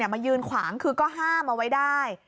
มายืนขวางคือก็ห้ามเอาไว้ได้